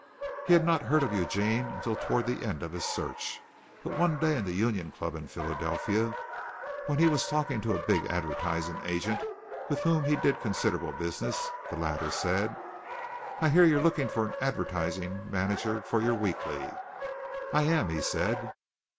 He had not heard of Eugene until toward the end of his search, but one day in the Union Club in Philadelphia, when he was talking to a big advertising agent with whom he did considerable business, the latter said: "I hear you are looking for an advertising manager for your weekly." "I am," he said.